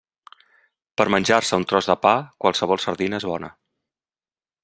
Per a menjar-se un tros de pa, qualsevol sardina és bona.